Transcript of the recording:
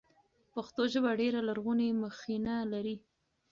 پښتو ژبه ډېره لرغونې مخینه لري.